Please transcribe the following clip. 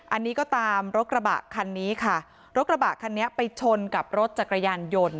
อันนี้ก็ตามรถกระบะคันนี้ค่ะรถกระบะคันนี้ไปชนกับรถจักรยานยนต์